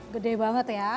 gede banget ya